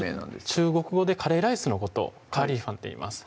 中国語でカレーライスのことをカーリーファンっていいます